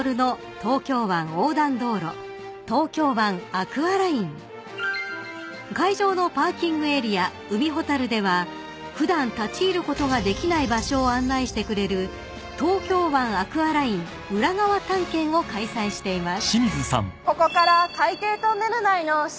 サントリーセサミン［海上のパーキングエリア海ほたるでは普段立ち入ることができない場所を案内してくれる東京湾アクアライン裏側探検を開催しています］